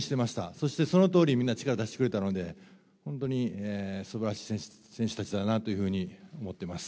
そしてそのとおり、みんな力を出してくれたので、本当にすばらしい選手たちだなというふうに思ってます。